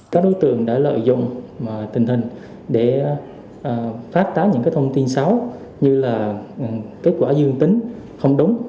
các đối tượng đã lợi dụng tình hình để phát tán những thông tin xấu như là kết quả dương tính không đúng